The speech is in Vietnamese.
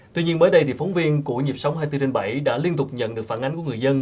tuy nhiên mới đây thì phóng viên của nhịp sống hai mươi bốn trên bảy đã liên tục nhận được phản ánh của người dân